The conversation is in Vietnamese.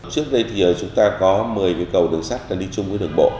trước đây thì chúng ta có một mươi cây cầu đường sắt đang đi chung với đường bộ